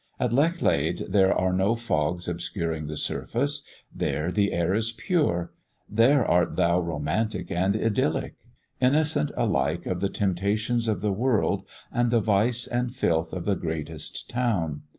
At Lechlade there are no fogs obscuring thy surface; there the air is pure; there art thou romantic and idyllic, innocent alike of the temptations of the world and the vice and filth of the greatest town.